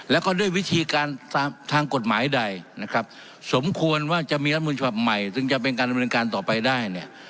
แล้วก็ด้วยวิธีการทางกฎหมายใดนะครับสมควรว่าจะมีรัฐมนุนฉบับใหม่ซึ่งจะเป็นการดำเนินการต่อไปได้เนี่ย